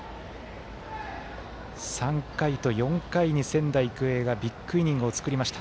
３回と４回に仙台育英がビッグイニングを作りました。